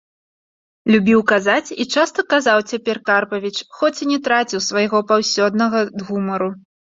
— любіў казаць і часта казаў цяпер Карпавіч, хоць і не траціў свайго паўсёднага гумару.